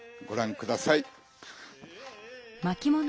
ごらんください。